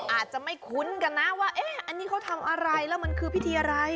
อาจจะไม่คุ้นกันนะว่าเอ๊ะอันนี้เขาทำอะไรแล้วมันคือพิธีอะไร